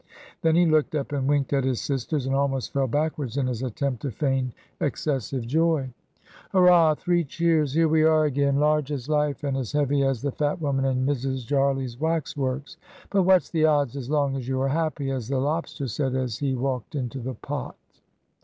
Then he looked up and winked at his sisters, and almost fell backwards in his attempt to feign excessive joy. "Hurrah! three cheers! Here we are again large as life, and as heavy as the fat woman in Mrs. Jarley's wax works. But what's the odds as long as you are happy, as the lobster said as he walked into the pot."